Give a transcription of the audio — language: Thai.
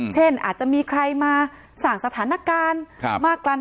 เช่นอาจจะมีใครมาสั่งสถานการณ์